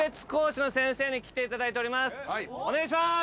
お願いします！